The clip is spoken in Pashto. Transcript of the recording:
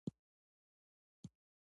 د افغانستان خاوره د مېړنیو خلکو کور دی.